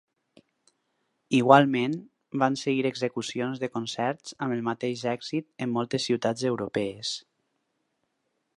Igualment, van seguir execucions de concerts amb el mateix èxit en moltes ciutats europees.